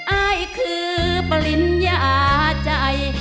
อายคือปริญญาใจ